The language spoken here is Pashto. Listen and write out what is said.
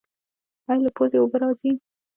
ایا له پوزې اوبه راځي؟